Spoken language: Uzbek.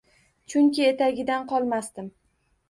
Chunki etagidan qolmasdim